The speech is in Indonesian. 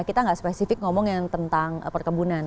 kita nggak spesifik ngomong yang tentang perkebunan